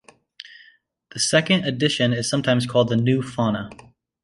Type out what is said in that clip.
The second edition is sometimes called the "new fauna".